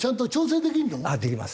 できます。